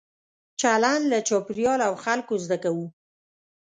چلند له چاپېریال او خلکو زده کوو.